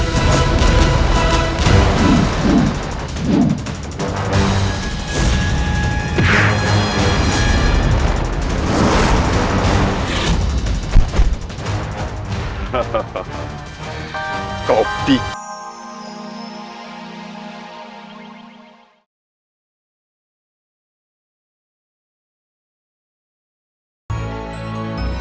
kau harus memberi pelajaran